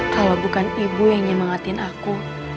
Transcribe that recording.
kalau bukan ibu yang nyemangatin aku